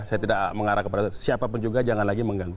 saya tidak mengarah kepada siapapun juga jangan lagi mengganggu